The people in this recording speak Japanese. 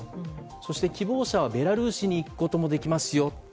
そして希望者はベラルーシに行くこともできますよと。